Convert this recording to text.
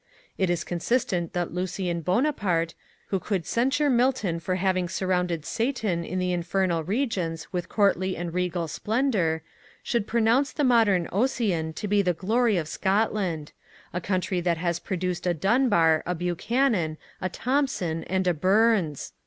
It is consistent that Lucien Buonaparte, who could censure Milton for having surrounded Satan in the infernal regions with courtly and regal splendour, should pronounce the modern Ossian to be the glory of Scotland; a country that has produced a Dunbar, a Buchanan, a Thomson, and a Burns!